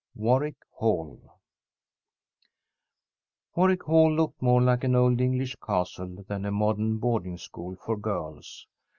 WARWICK HALL WARWICK HALL looked more like an old English castle than a modern boarding school for girls.